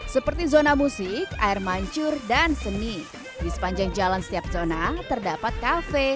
seperti zona musik air mancur dan seni di sepanjang jalan setiap zona terdapat kafe